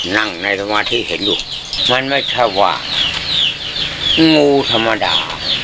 นั่งในหัวที่เห็นลุงมันไม่ชาว่างูธรรมดา